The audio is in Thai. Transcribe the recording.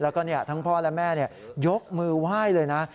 แล้วก็ทั้งพ่อและแม่ยกมือไหว้เลยนะ